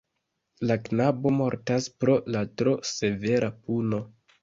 La knabo mortas pro la tro severa puno.